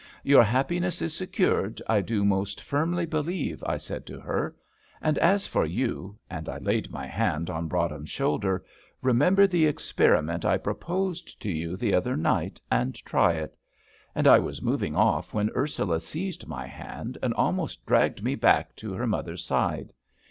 "Your happiness is secured, I do most firmly believe," I said to her; "and as for you," and I laid my hand on Broadhem's shoulder, "remember the experiment I proposed to you the other night, and try it;" and I was moving off when Ursula seized my hand, and almost dragged me back to her mother's side.